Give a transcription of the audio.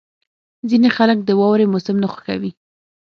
• ځینې خلک د واورې موسم نه خوښوي.